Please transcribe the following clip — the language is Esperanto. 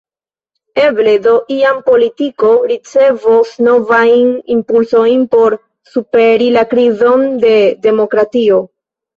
Eble do iam politiko ricevos novajn impulsojn por superi la krizon de demokratio.